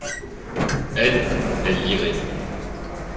elles, elles liraient.